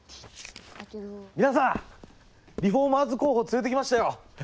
皆さんリフォーマーズ候補連れてきましたよ！